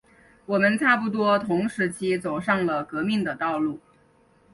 我们差不多同时期走上了革命的道路。